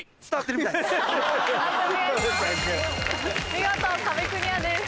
見事壁クリアです。